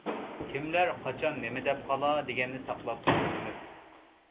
كېملەر قاچان نېمە دەپ قالار، دېگەننى ساقلاپ تۇرۇپتىمىز.